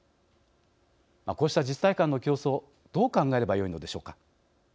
こうした自治体間の競争どう考えればよいのでしょうか。